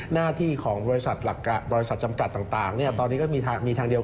หน้าที่ของบริษัทจำกัดต่างตอนนี้ก็มีทางเดียว